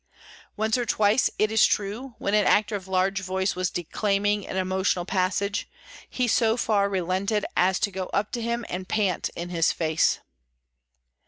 Once or twice, it is true, when an actor of large voice was declaiming an emotional passage, he so far relented as to go up to him and pant in his face.